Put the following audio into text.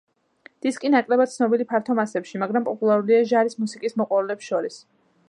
დისკი ნაკლებად ცნობილი ფართო მასებში, მაგრამ პოპულარულია ჟარის მუსიკის მოყვარულებს შორის.